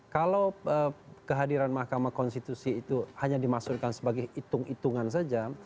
kalau kehadiran mahkamah konstitusi itu hanya dimaksudkan sebagai hitung hitungan saja